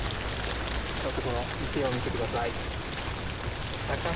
ちょっとこの池を見て下さい。